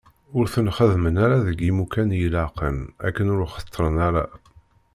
Ur ten-xeddmen ara deg yimukan i ilaqen akken ur xettren ara.